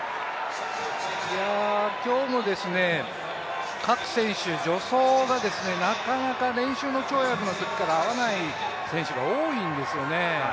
今日も各選手、助走がなかなか練習の跳躍のときから合わない選手が多いんですよね。